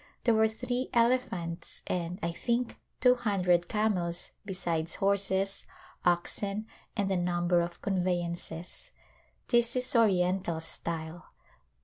There were three elephants and, I think, two hundred camels besides horses, oxen and a number of convey ances. This is oriental style.